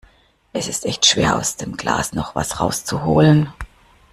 Es ist echt schwer aus dem Glas noch was rauszuholen